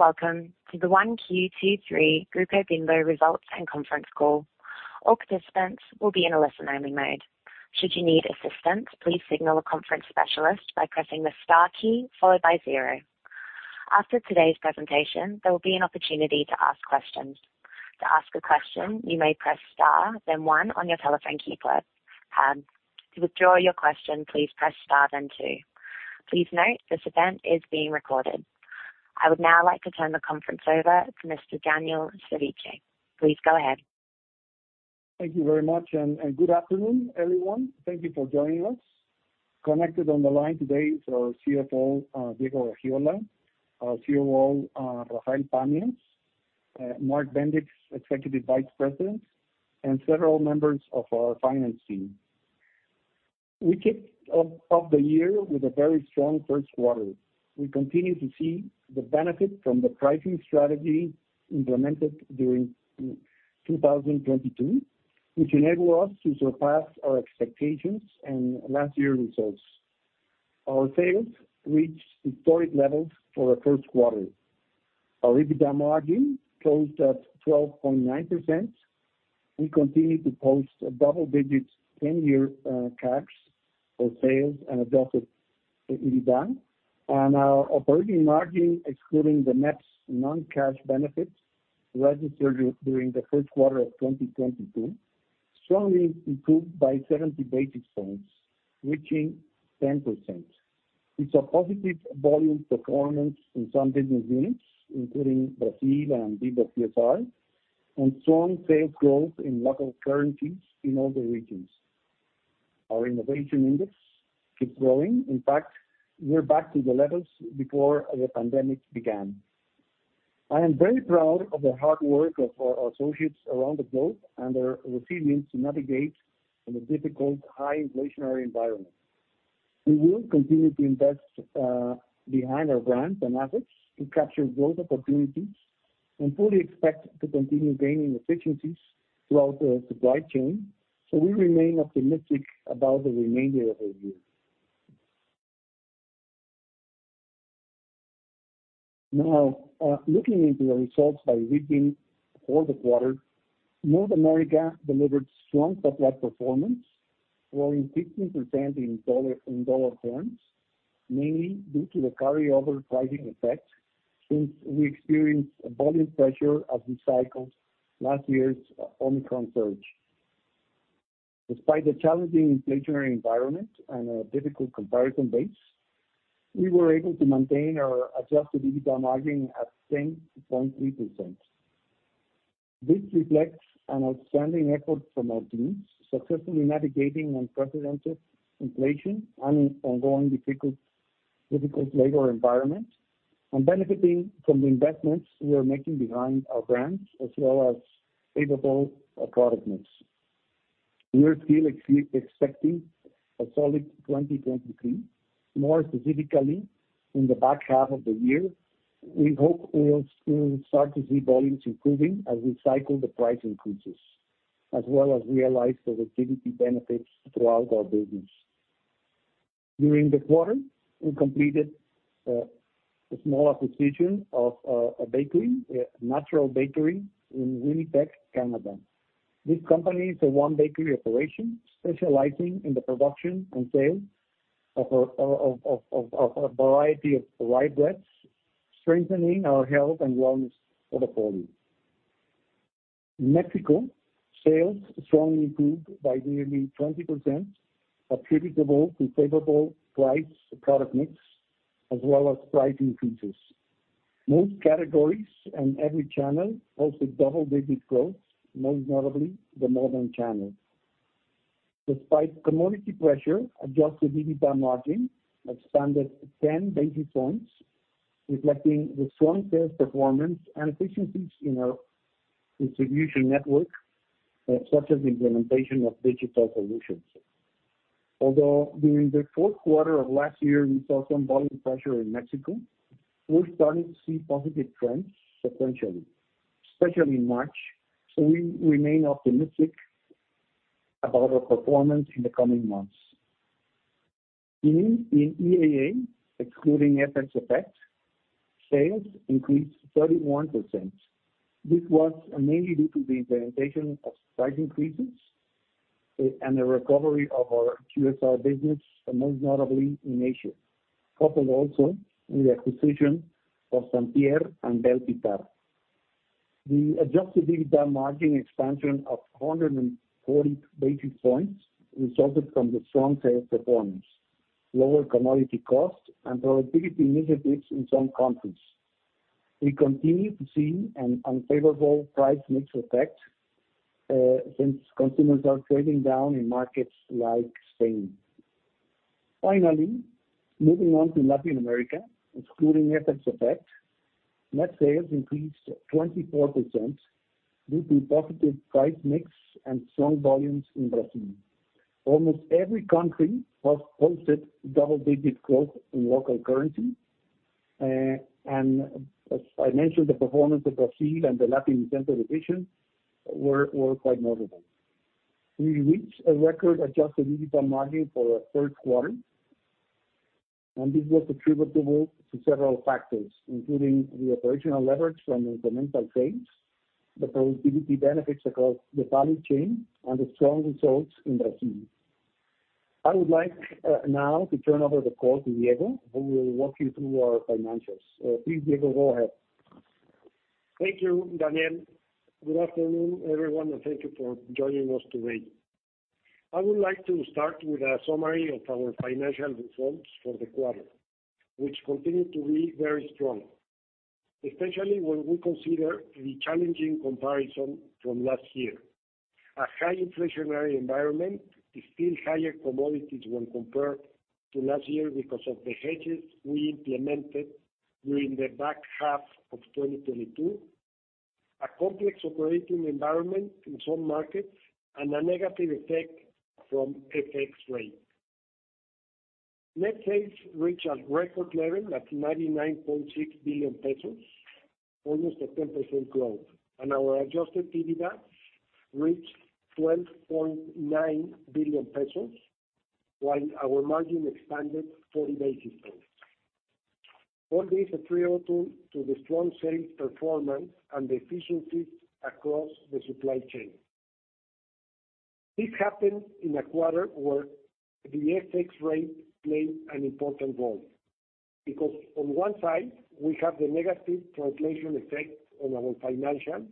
Welcome to the 1Q 2023 Grupo Bimbo results and conference call. All participants will be in a listen only mode. Should you need assistance, please signal a conference specialist by pressing the star key followed by zero. After today's presentation, there will be an opportunity to ask questions. To ask a question, you may press star, then one on your telephone keypad. To withdraw your question, please press star then two. Please note, this event is being recorded. I would now like to turn the conference over to Mr. Daniel Servitje. Please go ahead. Thank you very much. Good afternoon, everyone. Thank you for joining us. Connected on the line today is our CFO, Diego Gaxiola, our COO, Rafael Pamias, Mark Bendix, Executive Vice President, and several members of our finance team. We kicked off the year with a very strong first quarter. We continue to see the benefit from the pricing strategy implemented during 2022, which enable us to surpass our expectations and last year results. Our sales reached historic levels for a first quarter. Our EBITDA margin closed at 12.9%. We continue to post a double-digit 10-year cash for sales and EBITDA. Our operating margin, excluding the net non-cash benefits registered during the first quarter of 2022, strongly improved by 70 basis points, reaching 10%. It's a positive volume performance in some business units, including Brazil and Bimbo QSR, and strong sales growth in local currencies in all the regions. Our innovation index keeps growing. In fact, we're back to the levels before the pandemic began. I am very proud of the hard work of our associates around the globe and their resilience to navigate in a difficult high inflationary environment. We will continue to invest behind our brands and assets to capture growth opportunities and fully expect to continue gaining efficiencies throughout the supply chain. We remain optimistic about the remainder of the year. Looking into the results by region for the quarter, North America delivered strong top-line performance, growing 15% in dollar terms, mainly due to the carryover pricing effect since we experienced a volume pressure as we cycled last year's Omicron surge. Despite the challenging inflationary environment and a difficult comparison base, we were able to maintain our adjusted EBITDA margin at 10.3%. This reflects an outstanding effort from our teams, successfully navigating unprecedented inflation and ongoing difficult labor environment, and benefiting from the investments we are making behind our brands as well as favorable product mix. We are still expecting a solid 2023. More specifically, in the back half of the year, we hope we'll soon start to see volumes improving as we cycle the price increases, as well as realize the productivity benefits throughout our business. During the quarter, we completed a small acquisition of a bakery, a natural bakery in Winnipeg, Canada. This company is a one bakery operation specializing in the production and sale of a variety of rye breads, strengthening our health and wellness portfolio. In Mexico, sales strongly improved by nearly 20%, attributable to favorable price product mix as well as price increases. Most categories and every channel posted double-digit growth, most notably the modern channel. Despite commodity pressure, adjusted EBITDA margin expanded 10 basis points, reflecting the strong sales performance and efficiencies in our distribution network, such as implementation of digital solutions. Although during the fourth quarter of last year, we saw some volume pressure in Mexico, we're starting to see positive trends sequentially, especially in March, so we remain optimistic about our performance in the coming months. In EAA, excluding FX effect, sales increased 31%. This was mainly due to the implementation of price increases and the recovery of our QSR business, most notably in Asia, coupled also with the acquisition of St. Pierre & Vel Pitar. The adjusted EBITDA margin expansion of 140 basis points resulted from the strong sales performance, lower commodity cost, and productivity initiatives in some countries. We continue to see an unfavorable price mix effect since consumers are trading down in markets like Spain. Finally, moving on to Latin America, excluding FX effect, net sales increased 24% due to positive price mix and strong volumes in Brazil. Almost every country has posted double-digit growth in local currency. As I mentioned, the performance of Brazil and the Latin Centro division were quite notable. We reached a record adjusted EBITDA margin for our first quarter. This was attributable to several factors, including the operational leverage from incremental sales, the productivity benefits across the value chain, and the strong results in Brazil. I would like now to turn over the call to Diego, who will walk you through our financials. Please, Diego, go ahead. Thank you, Daniel. Good afternoon, everyone, and thank you for joining us today. I would like to start with a summary of our financial results for the quarter, which continue to be very strong, especially when we consider the challenging comparison from last year. A high inflationary environment is still higher commodities when compared to last year because of the hedges we implemented during the back half of 2022. A complex operating environment in some markets, and a negative effect from FX rate. Net sales reached a record level at 99.6 billion pesos, almost a 10% growth, and our adjusted EBITDA reached 12.9 billion pesos, while our margin expanded 40 basis points. All these attributable to the strong sales performance and the efficiencies across the supply chain. This happened in a quarter where the FX rate played an important role. On one side, we have the negative translation effect on our financials,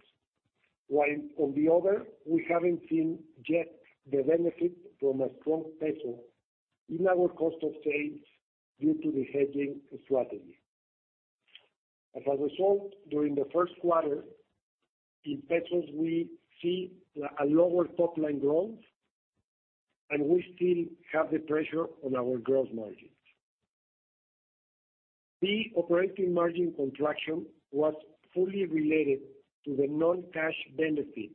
while on the other, we haven't seen yet the benefit from a strong peso in our cost of sales due to the hedging strategy. As a result, during the first quarter, in pesos, we see a lower top-line growth, and we still have the pressure on our gross margins. The operating margin contraction was fully related to the non-cash benefit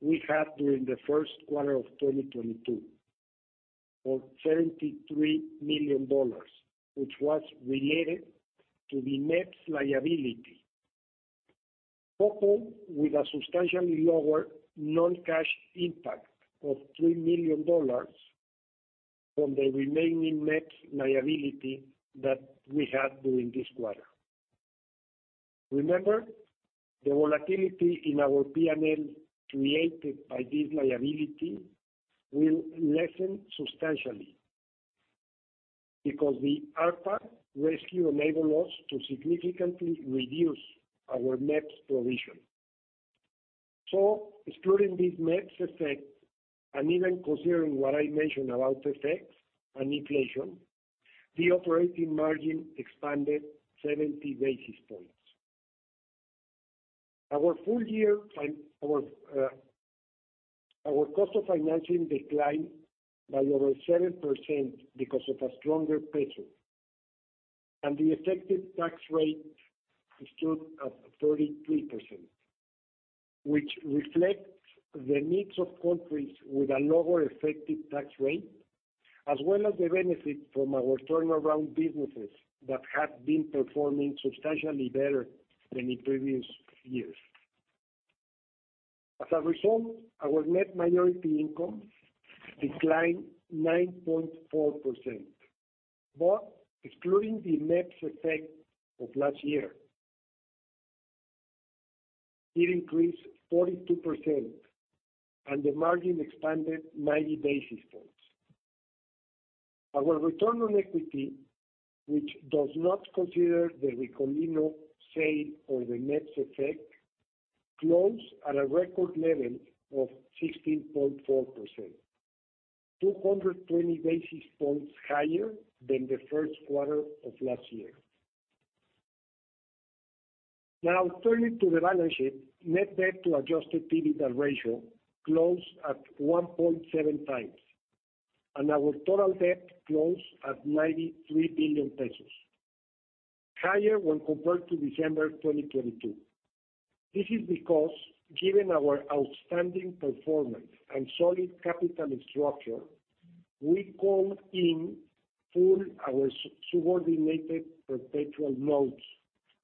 we had during the first quarter of 2022, of $33 million, which was related to the MEPS liability. Coupled with a substantially lower non-cash impact of $3 million from the remaining MEPS liability that we had during this quarter. Remember, the volatility in our P&L created by this liability will lessen substantially because the ARPA rescue enabled us to significantly reduce our MEPS provision. Excluding this MEPS effect, and even considering what I mentioned about FX and inflation, the operating margin expanded 70 basis points. Our full year Our cost of financing declined by over 7% because of a stronger peso. The effective tax rate stood at 33%, which reflects the mix of countries with a lower effective tax rate, as well as the benefit from our turnaround businesses that had been performing substantially better than in previous years. As a result, our net minority income declined 9.4%. Excluding the MEPS effect of last year, it increased 42%, and the margin expanded 90 basis points. Our return on equity, which does not consider the Ricolino sale or the MEPS effect, closed at a record level of 16.4%, 220 basis points higher than the first quarter of last year. Turning to the balance sheet, net debt to adjusted EBITDA ratio closed at 1.7x, and our total debt closed at 93 billion pesos, higher when compared to December 2022. This is because given our outstanding performance and solid capital structure, we called in full our subordinated perpetual notes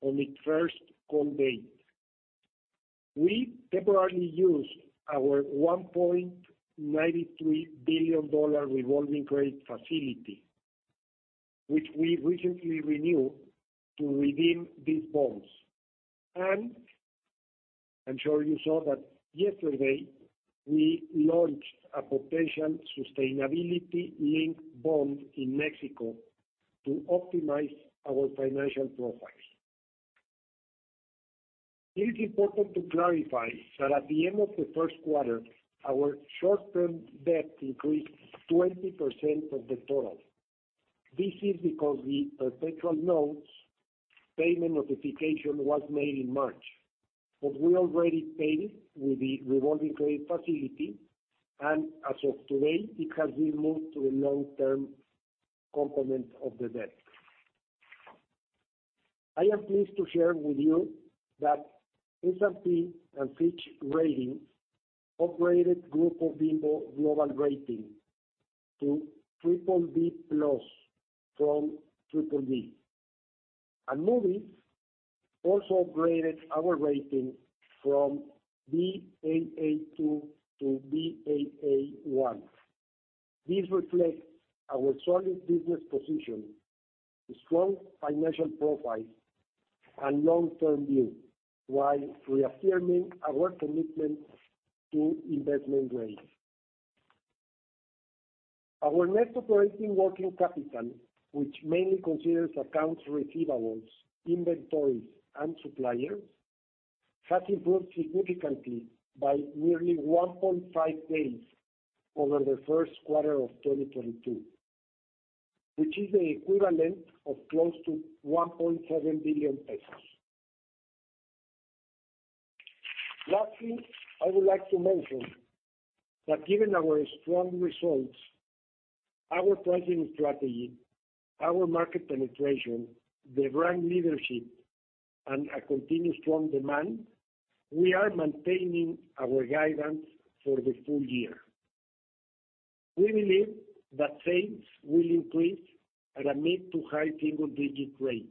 on the first call date. We temporarily used our $1.93 billion revolving credit facility, which we recently renewed to redeem these bonds. I'm sure you saw that yesterday we launched a potential sustainability-linked bond in Mexico to optimize our financial profile. It is important to clarify that at the end of the first quarter, our short-term debt increased 20% of the total. This is because the perpetual notes payment notification was made in March. We already paid with the revolving credit facility, and as of today, it has been moved to the long-term component of the debt. I am pleased to share with you that S&P and Fitch Ratings upgraded Grupo Bimbo global rating to BBB+ from BBB. Moody's also upgraded our rating from Baa2 to Baa1. This reflects our solid business position, strong financial profile, and long-term view while reaffirming our commitment to investment grade. Our net operating working capital, which mainly considers accounts receivables, inventories, and suppliers, has improved significantly by nearly 1.5 base over the first quarter of 2022, which is the equivalent of close to 1.7 billion pesos. I would like to mention that given our strong results, our pricing strategy, our market penetration, the brand leadership, and a continued strong demand, we are maintaining our guidance for the full year. We believe that sales will increase at a mid to high single digit rate.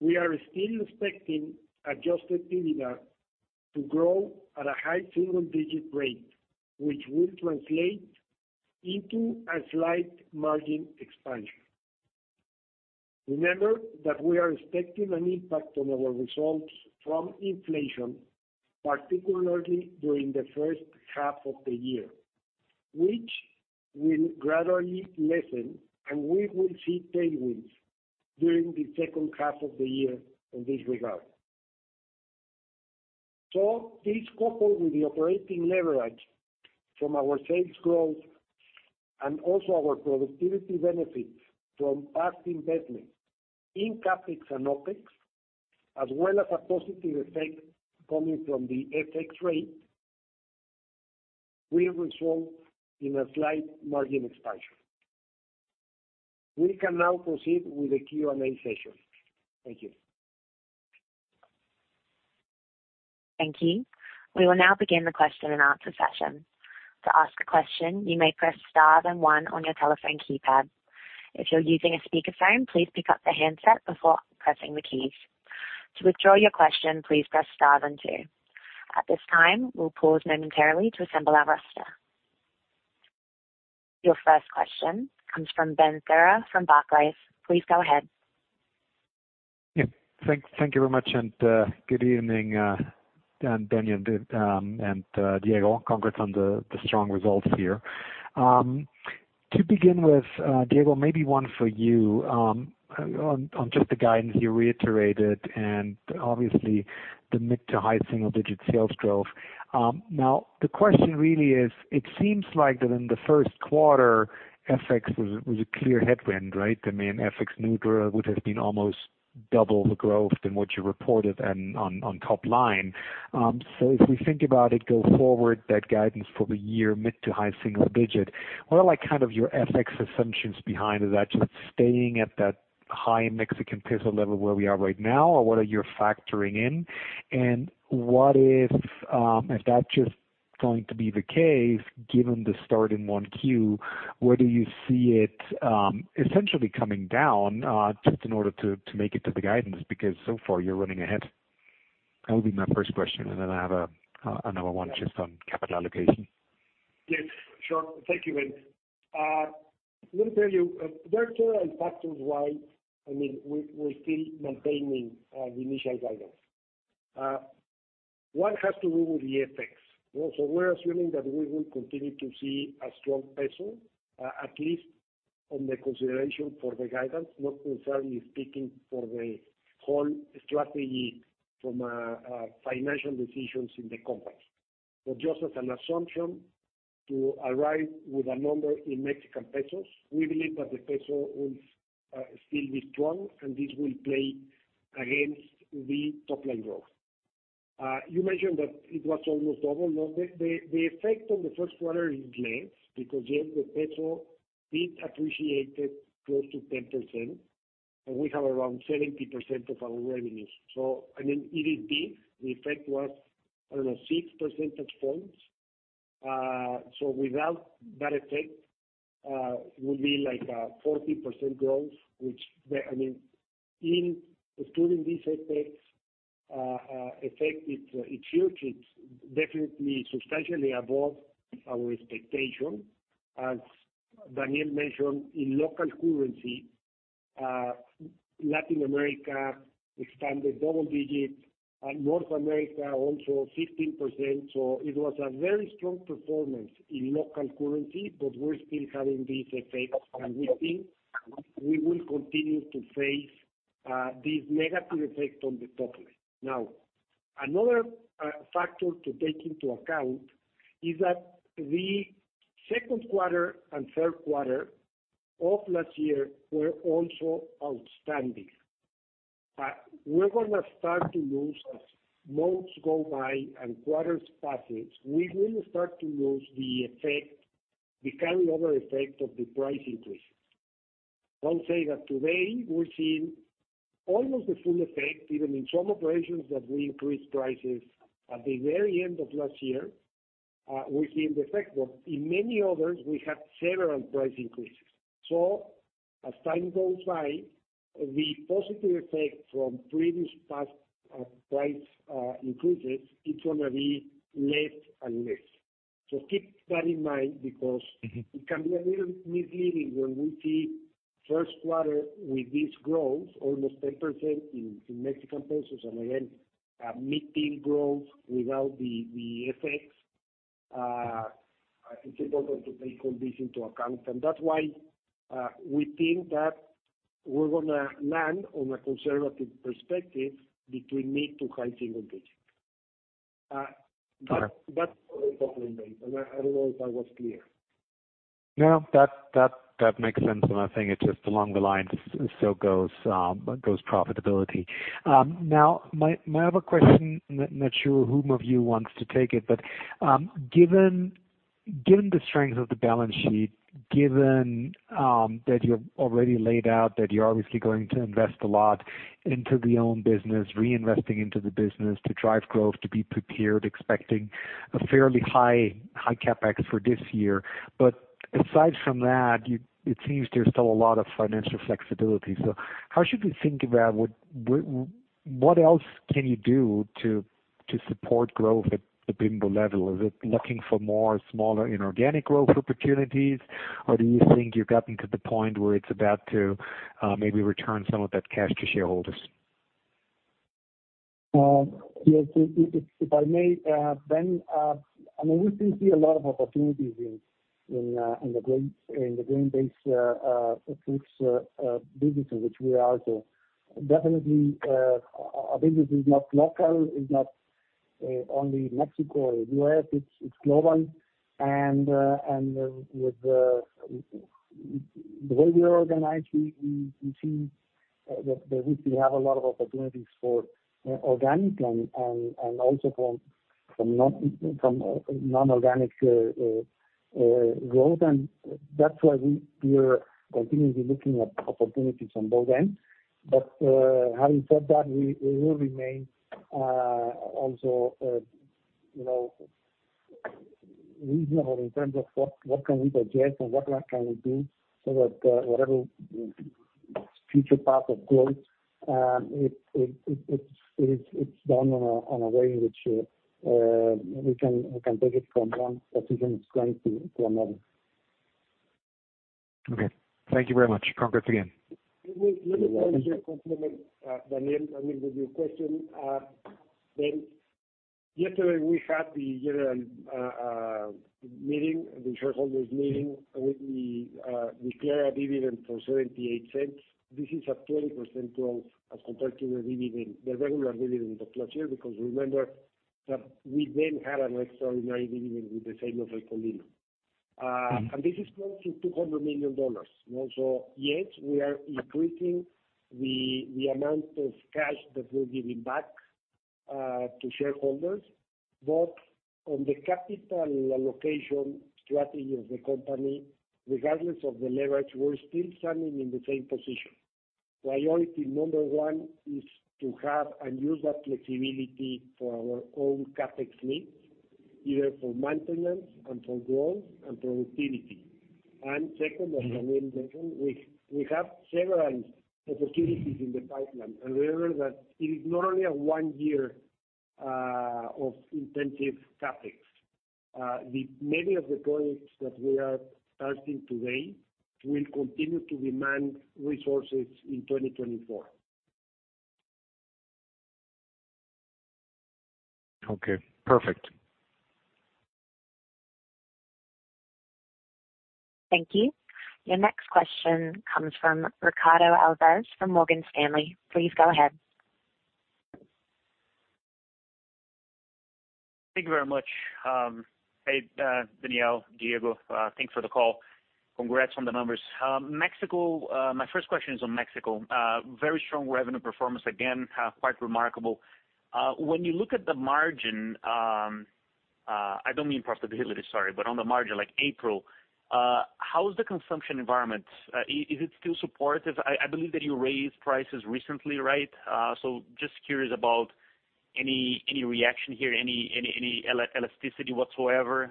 We are still expecting adjusted EBITDA to grow at a high single digit rate, which will translate into a slight margin expansion. Remember that we are expecting an impact on our results from inflation, particularly during the first half of the year, which will gradually lessen, and we will see tailwinds during the second half of the year in this regard. This coupled with the operating leverage from our sales growth and also our productivity benefits from past investments in CapEx and OpEx, as well as a positive effect coming from the FX rate will result in a slight margin expansion. We can now proceed with the Q&A session. Thank you. Thank you. We will now begin the question and answer session. To ask a question, you may press star then one on your telephone keypad. If you're using a speakerphone, please pick up the handset before pressing the keys. To withdraw your question, please press star then two. At this time, we'll pause momentarily to assemble our roster. Your first question comes from Ben Theurer from Barclays. Please go ahead. Yeah. Thank you very much, and good evening, Daniel and Diego. Congrats on the strong results here. To begin with, Diego, maybe one for you, on just the guidance you reiterated and obviously the mid-to-high single-digit sales growth. Now the question really is it seems like that in the first quarter, FX was a clear headwind, right? I mean, FX neutral would have been almost double the growth than what you reported and on top line. If we think about it go forward, that guidance for the year mid-to-high single-digit, what are like kind of your FX assumptions behind, is that just staying at that high Mexican peso level where we are right now? Or what are you factoring in? What if that's just going to be the case given the start in 1Q, where do you see it, essentially coming down, just in order to make it to the guidance because so far you're running ahead? That would be my first question. I have another one just on capital allocation. Yes, sure. Thank you, Ben. Let me tell you, there are several factors why, I mean, we're still maintaining the initial guidance. One has to do with the FX. We're assuming that we will continue to see a strong peso, at least on the consideration for the guidance, not necessarily speaking for the whole strategy from a financial decisions in the company. Just as an assumption to arrive with a number in Mexican pesos, we believe that the peso will still be strong, and this will play against the top line growth. You mentioned that it was almost double. No, the effect on the first quarter is less because, yes, the peso did appreciate close to 10%, and we have around 70% of our revenues. I mean, it did this. The effect was, I don't know, 6 percentage points. Without that effect, it would be like 14% growth, which I mean, in excluding this effect, it should, it's definitely substantially above our expectation. As Daniel mentioned, in local currency, Latin America expanded double digits and North America also 15%. It was a very strong performance in local currency, but we're still having this effect. We think we will continue to face this negative effect on the top line. Another factor to take into account is that the second quarter and third quarter of last year were also outstanding. We're gonna start to lose as months go by and quarters passes, we will start to lose the effect, the carry other effect of the price increase. I'll say that today we're seeing almost the full effect, even in some operations that we increased prices at the very end of last year. We've seen the effect of. In many others, we have several price increases. As time goes by, the positive effect from previous past price increases, it's gonna be less and less. Keep that in mind because Mm-hmm. It can be a little misleading when we see first quarter with this growth, almost 10% in MXN pesos, and again, a mid-teen growth without the effects. It's important to take all this into account. That's why we think that we're gonna land on a conservative perspective between mid to high single digits. Okay. That's what we think. I don't know if I was clear. No, that makes sense. I think it's just along the lines, so goes profitability. My other question, not sure whom of you wants to take it, but, given the strength of the balance sheet, given that you've already laid out that you're obviously going to invest a lot into the own business, reinvesting into the business to drive growth, to be prepared, expecting a fairly high CapEx for this year. Aside from that, it seems there's still a lot of financial flexibility. How should we think about what else can you do to support growth at the Bimbo level? Is it looking for more smaller inorganic growth opportunities, or do you think you've gotten to the point where it's about to maybe return some of that cash to shareholders? Yes, if I may, Ben, I mean, we still see a lot of opportunities in the grain, in the grain-based foods business in which we are. Definitely, our business is not local, it's not only Mexico or U.S., it's global. With the way we are organized, we see that we still have a lot of opportunities for organic and also from non-organic growth. That's why we are continuously looking at opportunities on both ends. Having said that, we will remain, also, you know, reasonable in terms of what can we digest and what can we do so that, whatever future path of growth, it's done on a way in which, we can take it from one position of strength to another. Okay. Thank you very much. Congrats again. Let me just compliment Daniel, I mean, with your question. Ben, yesterday we had the general meeting, the shareholders meeting. We declare a dividend for $0.78. This is a 20% growth as compared to the dividend, the regular dividend of last year, because remember that we then had an extraordinary dividend with the sale of Ricolino. This is close to $200 million. You know, yes, we are increasing the amount of cash that we're giving back to shareholders. On the capital allocation strategy of the company, regardless of the leverage, we're still standing in the same position. Priority number one is to have and use that flexibility for our own CapEx needs, either for maintenance and for growth and productivity. Second, as Daniel mentioned, we have several opportunities in the pipeline. Remember that it is not only a one year of intensive CapEx. The many of the projects that we are starting today will continue to demand resources in 2024. Okay, perfect. Thank you. Your next question comes from Ricardo Alves from Morgan Stanley. Please go ahead. Thank you very much. Daniel, Diego. Thanks for the call. Congrats on the numbers. Mexico, my first question is on Mexico. Very strong revenue performance again, quite remarkable. When you look at the margin, I don't mean profitability, sorry, but on the margin like April, how is the consumption environment? Is it still supportive? I believe that you raised prices recently, right? Just curious about any reaction here, any elasticity whatsoever.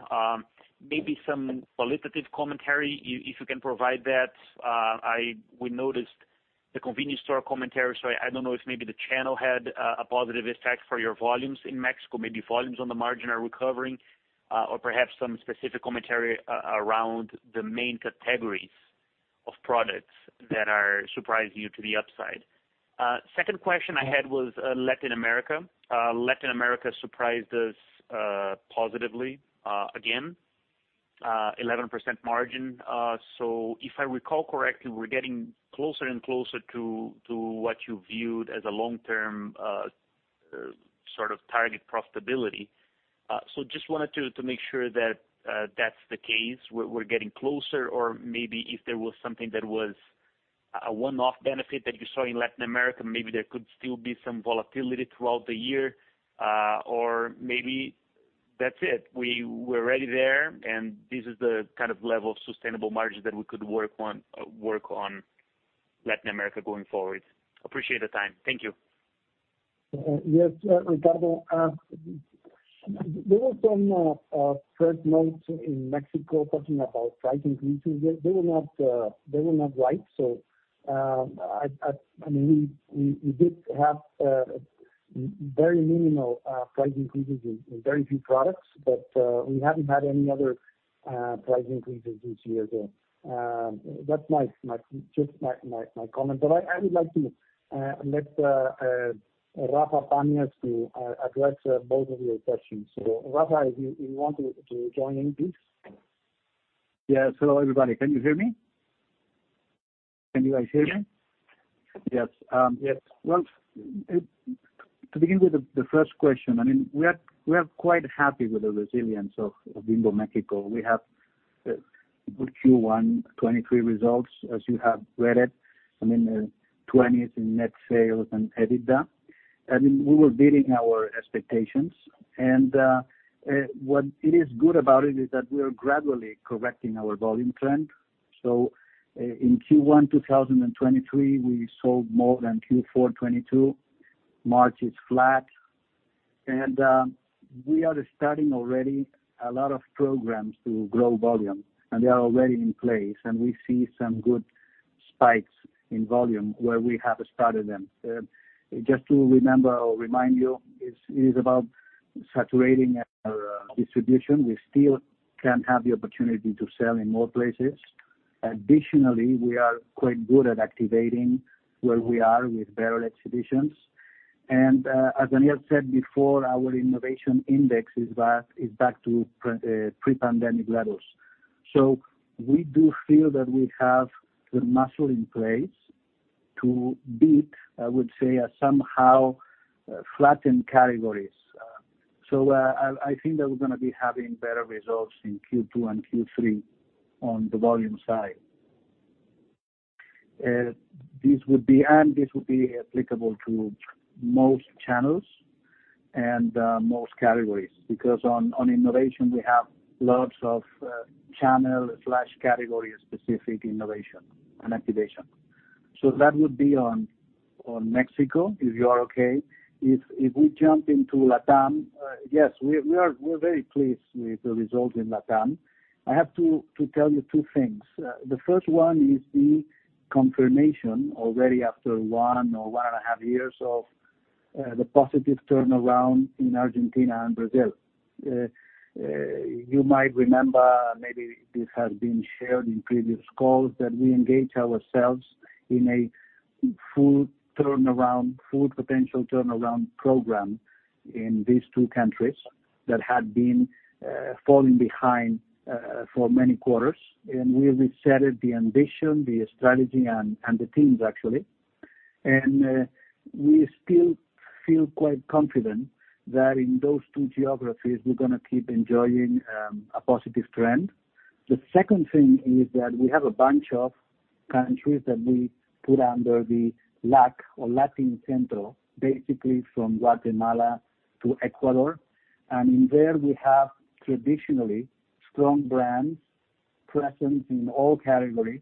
Maybe some qualitative commentary, if you can provide that. We noticed the convenience store commentary, I don't know if maybe the channel had a positive effect for your volumes in Mexico. Maybe volumes on the margin are recovering, or perhaps some specific commentary around the main categories of products that are surprising you to the upside. Second question I had was Latin America. Latin America surprised us positively again. 11% margin. If I recall correctly, we're getting closer and closer to what you viewed as a long-term sort of target profitability. Just wanted to make sure that that's the case, we're getting closer or maybe if there was something that was a one-off benefit that you saw in Latin America, maybe there could still be some volatility throughout the year. Maybe that's it. We're already there, this is the kind of level of sustainable margin that we could work on Latin America going forward. Appreciate the time. Thank you. Yes, Ricardo, there were some trade notes in Mexico talking about price increases. They were not right. I mean, we did have very minimal price increases in very few products, but we haven't had any other price increases this year. That's my just my comment. I would like to let Rafa Pamias to address both of your questions. Rafa, if you want to join in, please. Yes. Hello, everybody. Can you hear me? Can you guys hear me? Yes. Yes. Well, to begin with the first question, I mean, we are quite happy with the resilience of Bimbo Mexico. We have good Q1 2023 results, as you have read it. I mean, twenties in net sales and EBITDA. I mean, we were beating our expectations. What it is good about it is that we are gradually correcting our volume trend. So in Q1 2023, we sold more than Q4 2022. March is flat. We are starting already a lot of programs to grow volume, and they are already in place, and we see some good spikes in volume where we have started them. Just to remember or remind you, it is about saturating our distribution. We still can have the opportunity to sell in more places. Additionally, we are quite good at activating where we are with better exhibitions. As Daniel said before, our innovation index is back to pre-pandemic levels. We do feel that we have the muscle in place to beat, I would say, somehow, flattened categories. I think that we're gonna be having better results in Q2 and Q3 on the volume side. This would be applicable to most channels and most categories because on innovation we have lots of channel/category-specific innovation and activation. That would be on Mexico, if you are okay. If we jump into LATAM, yes, we're very pleased with the results in LATAM. I have to tell you two things. The first one is the confirmation already after one or one and a half years of the positive turnaround in Argentina and Brazil. You might remember, maybe this has been shared in previous calls, that we engage ourselves in a full turnaround, full potential turnaround program in these two countries that had been falling behind for many quarters. We reset the ambition, the strategy, and the teams actually. We still feel quite confident that in those two geographies we're gonna keep enjoying a positive trend. The second thing is that we have a bunch of countries that we put under the LAC or Latin Centro, basically from Guatemala to Ecuador. In there we have traditionally strong brands present in all categories,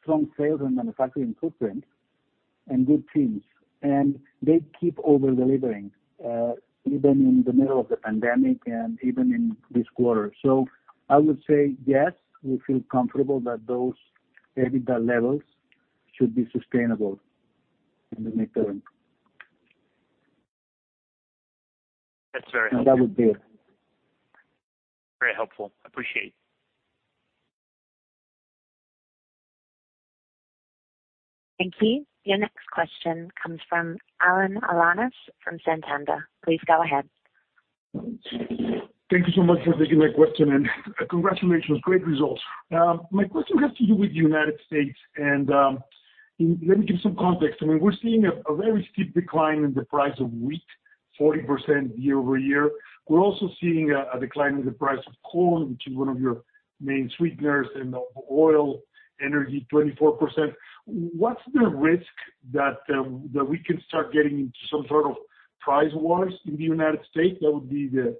strong sales and manufacturing footprint, and good teams. They keep over-delivering, even in the middle of the pandemic and even in this quarter. I would say, yes, we feel comfortable that those EBITDA levels should be sustainable in the near term. That's very helpful. That would be it. Very helpful. Appreciate it. Thank you. Your next question comes from Alan Alanis from Santander. Please go ahead. Thank you so much for taking my question, and congratulations, great results. My question has to do with United States, and let me give some context. I mean, we're seeing a very steep decline in the price of wheat, 40% year-over-year. We're also seeing a decline in the price of corn, which is one of your main sweeteners, and oil, energy, 24%. What's the risk that we can start getting into some sort of price wars in the United States? That would be the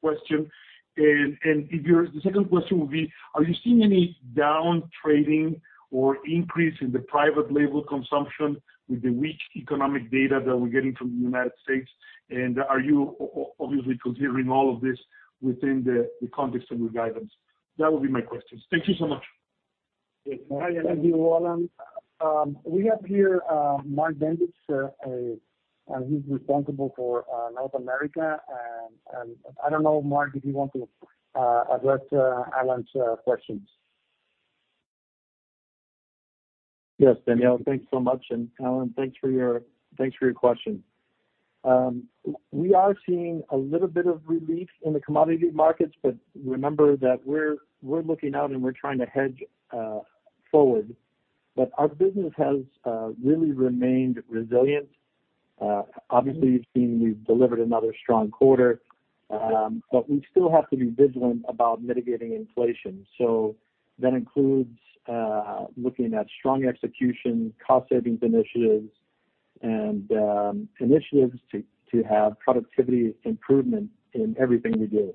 question. The second question would be, are you seeing any down trading or increase in the private label consumption with the weak economic data that we're getting from the United States? Are you obviously considering all of this within the context of your guidance? That would be my questions. Thank you so much. Thank you, Alan. We have here, Mark Bendix, and he's responsible for North America. I don't know, Mark, if you want to address Alan's questions. Yes, Daniel, thanks so much. Alan, thanks for your question. We are seeing a little bit of relief in the commodity markets, but remember that we're looking out and we're trying to hedge forward. Our business has really remained resilient. Obviously, you've seen we've delivered another strong quarter. We still have to be vigilant about mitigating inflation. That includes looking at strong execution, cost savings initiatives, and initiatives to have productivity improvement in everything we do.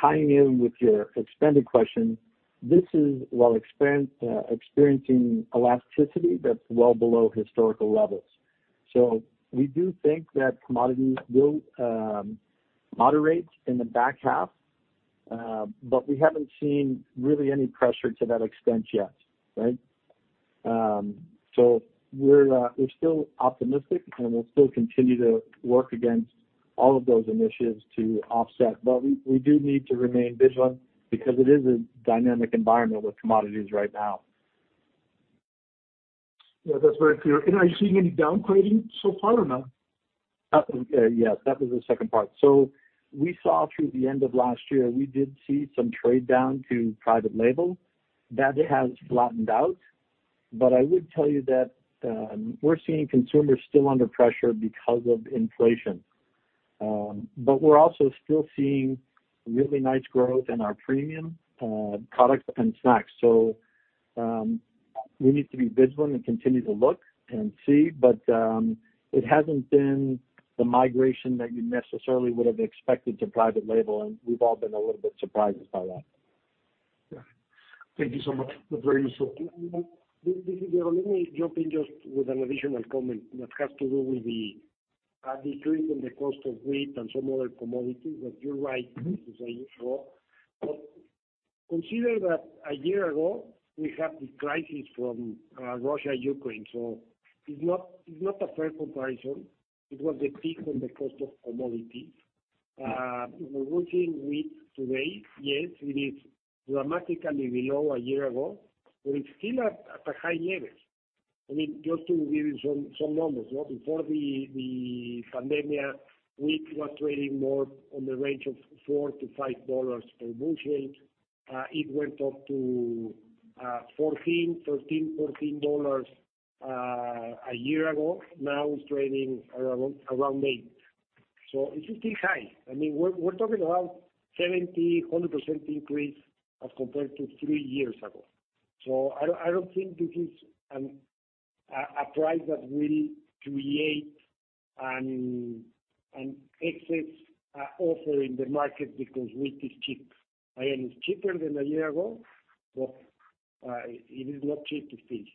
Tying in with your extended question, this is while experiencing elasticity that's well below historical levels. We do think that commodities will moderate in the back half, but we haven't seen really any pressure to that extent yet. Right? We're still optimistic, and we'll still continue to work against all of those initiatives to offset. We do need to remain vigilant because it is a dynamic environment with commodities right now. Yeah, that's very clear. Are you seeing any downgrading so far or no? Yes, that was the second part. We saw through the end of last year, we did see some trade down to private label. That has flattened out, but I would tell you that, we're seeing consumers still under pressure because of inflation. But we're also still seeing really nice growth in our premium products and snacks. We need to be vigilant and continue to look and see, but, it hasn't been the migration that you necessarily would have expected to private label, and we've all been a little bit surprised by that. Yeah. Thank you so much. That's very useful. This is Diego. Let me jump in just with an additional comment that has to do with the decrease in the cost of wheat and some other commodities that you're right to say it's low. Consider that a year ago, we had the crisis from Russia and Ukraine. It's not a fair comparison. It was the peak on the cost of commodities. If we're looking wheat today, yes, it is dramatically below a year ago, but it's still at a high levels. I mean, just to give you some numbers. Before the pandemic, wheat was trading more on the range of $4-$5 per bushel. It went up to $13-$14 a year ago. Now, it's trading around $8. It is still high. I mean, we're talking about 70%-100% increase as compared to three years ago. I don't think this is a price that will create an excess offer in the market because wheat is cheap. I mean, it's cheaper than a year ago, but it is not cheap to feed.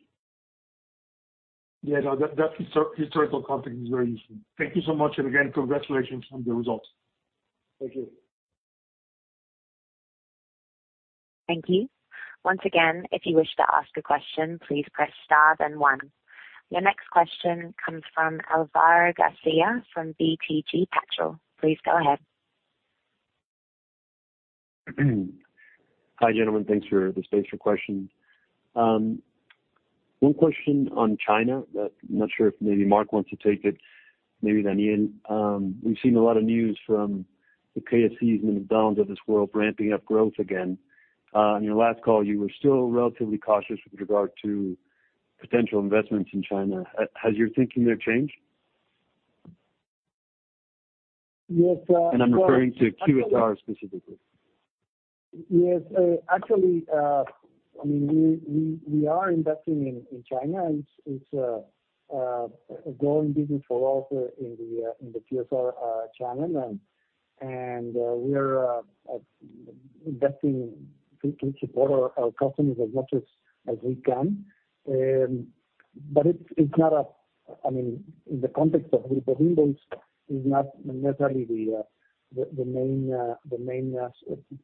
Yeah, no, that historical context is very useful. Thank you so much. Again, congratulations on the results. Thank you. Thank you. Once again, if you wish to ask a question, please press star then one. Your next question comes from Alvaro Garcia from BTG Pactual. Please go ahead. Hi, gentlemen. Thanks for the space for questions. One question on China that I'm not sure if maybe Mark wants to take it, maybe then Ian. We've seen a lot of news from the KFCs and the McDonald's of this world ramping up growth again. On your last call, you were still relatively cautious with regard to potential investments in China. Has your thinking there changed? Yes. I'm referring to QSR specifically. Yes, actually, I mean, we are investing in China, and it's a growing business for us in the QSR channel. We are investing to support our customers as much as we can. It's not, I mean, in the context of Iberia, it's not necessarily the main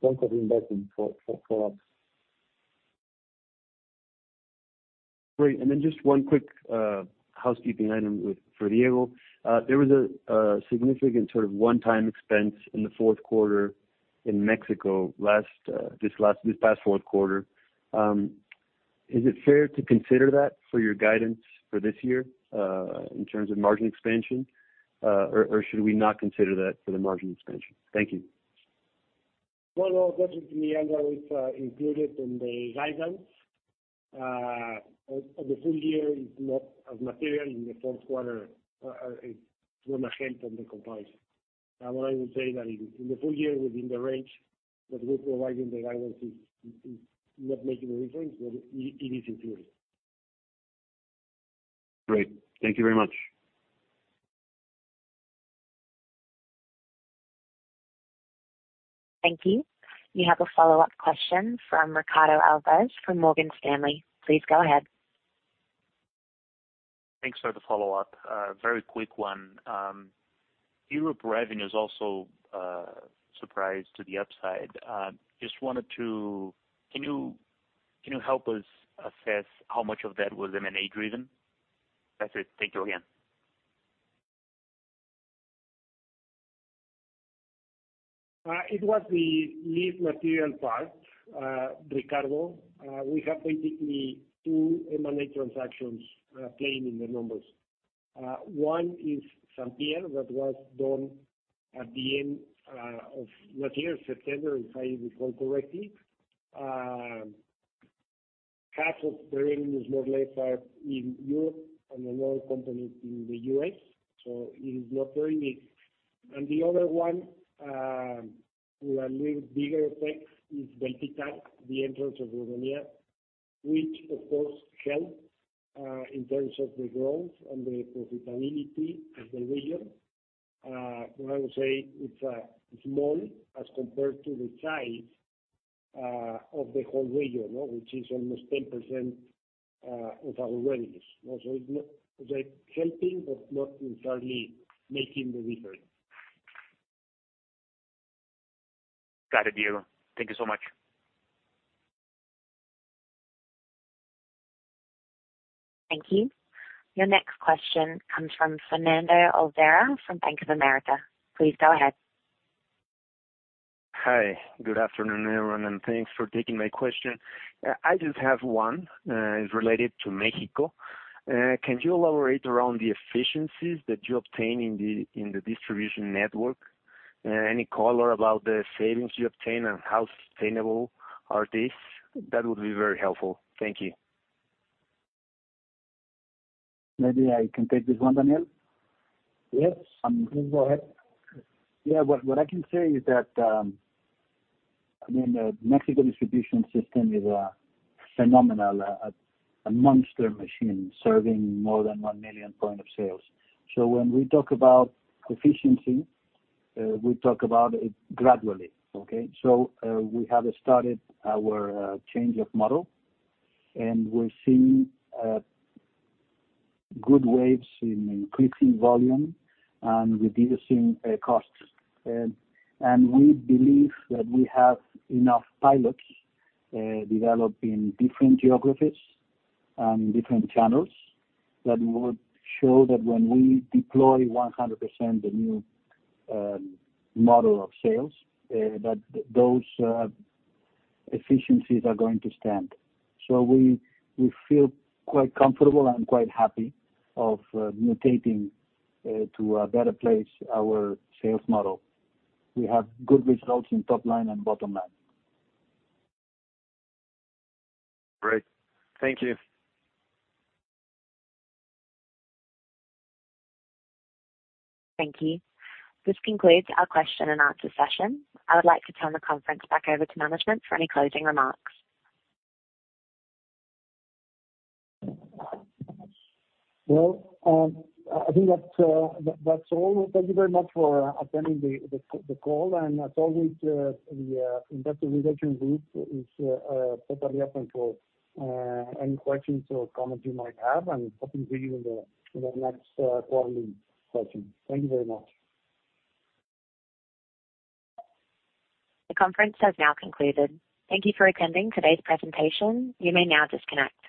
point of investing for us. Great. Just one quick housekeeping item for Diego. There was a significant sort of one-time expense in the fourth quarter in Mexico this past fourth quarter. Is it fair to consider that for your guidance for this year, in terms of margin expansion? Or should we not consider that for the margin expansion? Thank you. Well, Alvaro, that is in the end that was included in the guidance. At the full year is not as material in the fourth quarter, it's more ahead on the comparison. What I will say that in the full year within the range that we're providing the guidance is not making a difference, but it is included. Great. Thank you very much. Thank you. You have a follow-up question from Ricardo Alves from Morgan Stanley. Please go ahead. Thanks for the follow-up. Very quick one. Europe revenue is also surprise to the upside. Can you help us assess how much of that was M&A driven? That's it. Thank you again. It was the least material part, Ricardo. We have basically two M&A transactions playing in the numbers. One is St Pierre Groupe that was done at the end of what year? September, if I recall correctly. Half of the revenue is more or less in Europe and another company in the U.S., so it is not very big. The other one with a little bigger effect is Vel Pitar, the entrance of Romania, which of course helps in terms of the growth and the profitability of the region. But I would say it's small as compared to the size of the whole region, which is almost 10% of our revenues. Also, it's like helping, but not entirely making the difference. Got it, Diego. Thank you so much. Thank you. Your next question comes from Fernando Olvera from Bank of America. Please go ahead. Hi. Good afternoon, everyone, and thanks for taking my question. I just have one, is related to Mexico. Can you elaborate around the efficiencies that you obtain in the distribution network? Any color about the savings you obtain and how sustainable are these? That would be very helpful. Thank you. Maybe I can take this one, Daniel. Yes. Please go ahead. Yeah. What I can say is that, I mean, the Mexico distribution system is a phenomenal, a monster machine serving more than 1 million point of sales. When we talk about efficiency, we talk about it gradually, okay? We have started our change of model, and we're seeing good waves in increasing volume and reducing costs. We believe that we have enough pilots developed in different geographies and different channels that would show that when we deploy 100% the new model of sales, that those efficiencies are going to stand. We feel quite comfortable and quite happy of mutating to a better place our sales model. We have good results in top line and bottom line. Great. Thank you. Thank you. This concludes our question and answer session. I would like to turn the conference back over to management for any closing remarks. Well, I think that's all. Thank you very much for attending the call. As always, the investor relation group is totally open for any questions or comments you might have. Hoping to see you in the next quarterly session. Thank you very much. The conference has now concluded. Thank you for attending today's presentation. You may now disconnect.